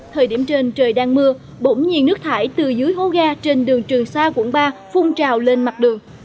thời điểm trên trời đang mưa bỗng nhiên nước thải từ dưới hố ga trên đường trường sa quận ba phung trào lên mặt đường